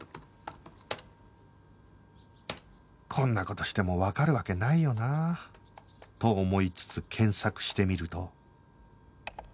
こんな事してもわかるわけないよなあと思いつつ検索してみると